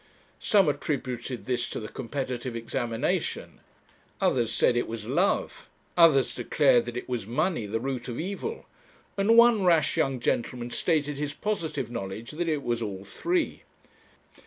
Some attributed this to the competitive examination; others said it was love; others declared that it was money, the root of evil; and one rash young gentleman stated his positive knowledge that it was all three.